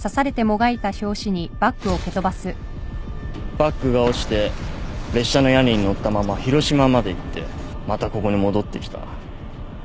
バッグが落ちて列車の屋根にのったまま広島まで行ってまたここに戻ってきた。